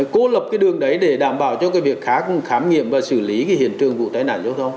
cố lập đường đấy để đảm bảo cho việc khám nghiệm và xử lý hiện trường vụ tai nạn giao thông